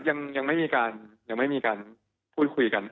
ยังไม่มีการพูดคุยกัน